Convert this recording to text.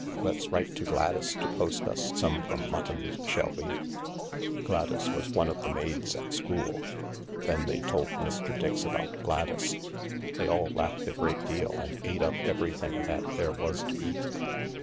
Let's write to Gladys to post us some from Mutton's, shall we ? Gladys was one of the maids at school." Then they told Mr. Dix about Gladys. They all laughed a great deal and ate up everything that there was to eat.